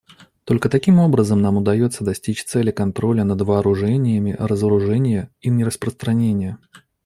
Только таким образом нам удастся достичь цели контроля над вооружениями, разоружения и нераспространения.